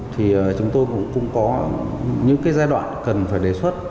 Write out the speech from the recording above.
thì chúng tôi cũng có những cái giai đoạn cần phải đề xuất